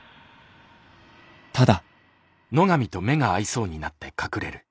ただ」。